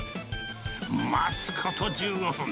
待つこと１５分。